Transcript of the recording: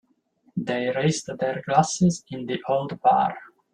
They raised their glasses in the old bar.